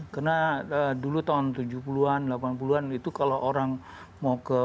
karena dulu tahun tujuh puluh an delapan puluh an itu kalau orang mau ke